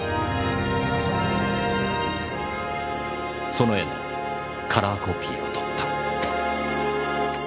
その絵のカラーコピーを取った。